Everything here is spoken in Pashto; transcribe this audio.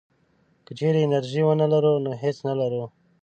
که چېرې انرژي ونه لرو نو هېڅ نه لرو.